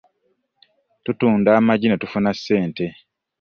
Tutunda amaggi ne tufuna ssente.